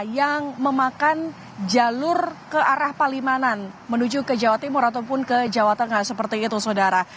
yang memakan jalur ke arah palimanan menuju ke jawa timur ataupun ke jawa tengah seperti itu saudara